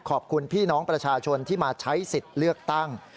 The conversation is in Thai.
ขอบคุณพี่น้องประชาชนที่มาใช้สิทธิ์เลือกตั้ง